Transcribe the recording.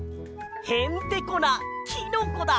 へんてこなキノコだ！